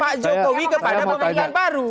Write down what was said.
pak jokowi kepada pemilihan baru